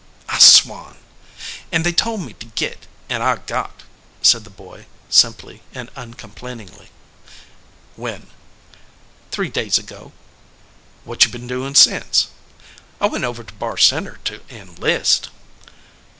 "I swan!" "And they told me to git and I got," said the boy, simply and uncomplainingly. "When?" "Three days ago." "What you been doin since?" "I went over to Barr Center to enlist."